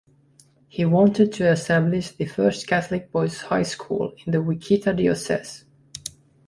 He wanted to establish the first Catholic boys' high school in the Wichita Diocese.